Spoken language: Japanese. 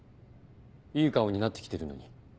いい顔になって来てるのに。